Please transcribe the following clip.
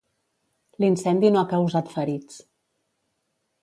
L'incendi no ha causat ferits.